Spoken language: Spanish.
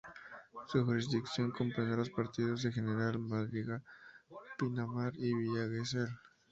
Su jurisdicción comprende a los partidos de: General Madariaga, Pinamar y Villa Gesell.